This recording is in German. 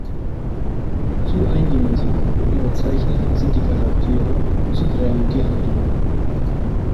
Zu eindimensional und überzeichnet sind die Charaktere, zu grell die Handlung.